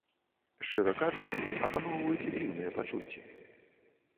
Шчыра кажучы, апаноўваюць дзіўныя пачуцці.